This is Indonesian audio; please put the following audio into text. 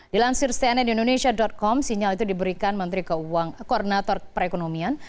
dilansir cnn indonesia com sinyal itu diberikan menteri koordinator perekonomian